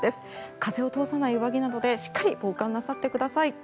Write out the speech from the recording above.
風を通さない上着などでしっかり防寒なさってください。